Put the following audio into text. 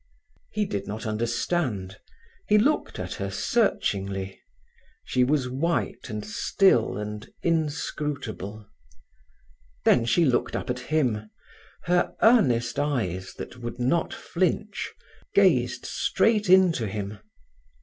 He did not understand. He looked at her searchingly. She was white and still and inscrutable. Then she looked up at him; her earnest eyes, that would not flinch, gazed straight into him.